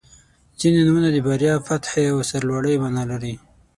• ځینې نومونه د بریا، فتحې او سرلوړۍ معنا لري.